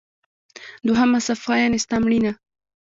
دوهمه صفحه: یعنی ستا مړینه.